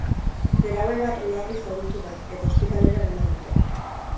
Nerabe bat larri zauritu da eta ospitalera eraman dute.